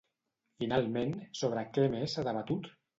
Finalment, sobre què més s'ha debatut?